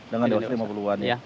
dengan dewasa lima puluh an ya